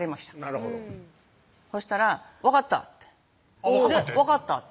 なるほどそしたら「分かった」って「分かった」って？